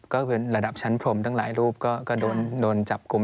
ก็เป็นระดับชั้นพรมตั้งหลายรูปก็โดนจับกลุ่ม